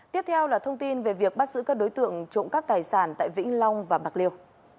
tiếp theo là thông tin về việc bắt giữ các đối tượng trộm cắp tài sản tại vĩnh long và bạc liêu